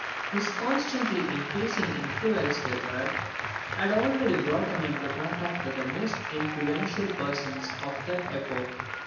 His constantly increasing influence with her had already brought him into contact with the most influential persons of that epoch.